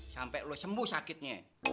sampai lo sembuh sakitnya